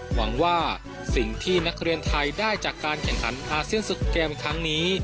หวังว่าสิ่งที่นักเรียนไทยได้จากการแข่งขันอาเซียนสุดเกมครั้งนี้